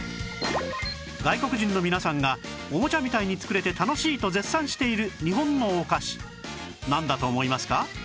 外国人の皆さんがおもちゃみたいに作れて楽しいと絶賛している日本のお菓子なんだと思いますか？